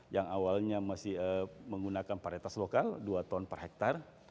yang awalnya masih menggunakan paritas lokal dua ton per hektare